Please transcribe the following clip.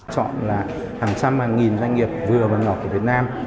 chọn là hàng trăm hàng nghìn doanh nghiệp vừa và nhỏ của việt nam